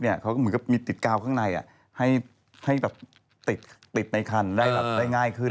เหมือนกับมีติดกาวข้างในให้แบบติดในคันได้ง่ายขึ้น